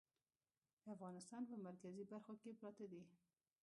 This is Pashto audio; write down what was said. د افغانستان په مرکزي برخو کې پراته دي.